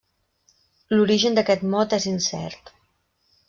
L'origen d'aquest mot és incert.